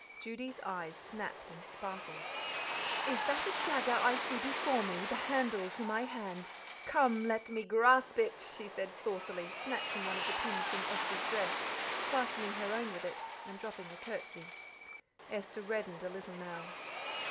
Judy's eyes snapped and sparkled. "'Is that a dagger that I see before me, the handle to my hand? Come, let me grasp it,'" she said saucily, snatching one of the pins from Esther's dress, fastening her own with it, and dropping a curtsey. Esther reddened a little now.